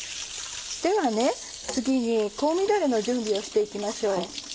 では次に香味だれの準備をして行きましょう。